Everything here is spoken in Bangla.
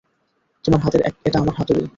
তোমার হাতের এটা আমার হাতুড়ি।